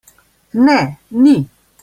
Ne, ni.